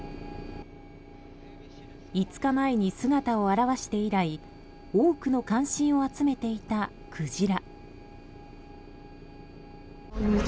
５日前に姿を現して以来多くの関心を集めていたクジラ。